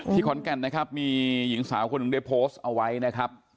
ขอนแก่นนะครับมีหญิงสาวคนหนึ่งได้โพสต์เอาไว้นะครับ